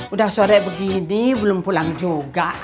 udah sore begini belum pulang juga